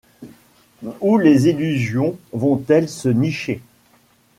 Où les illusions vont-elles se nicher?